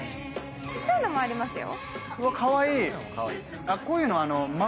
ちっちゃいのもありますよ。